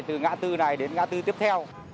từ ngã tư này đến ngã tư tiếp theo